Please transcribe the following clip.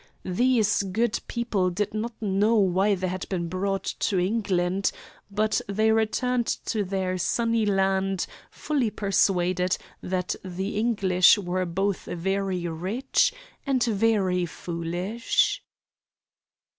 These good people did not know why they had been brought to England, but they returned to their sunny land fully persuaded that the English were both very rich and very foolish.